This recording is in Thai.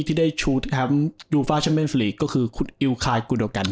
ที่ได้ชูดครับดูฟาชะเบนฝรีก็คือคุณอิลคายกูโดกัน